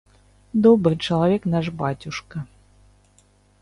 Добры чалавек наш бацюшка.